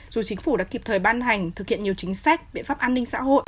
dù chính phủ đã kịp thời ban hành thực hiện nhiều chính sách biện pháp an ninh xã hội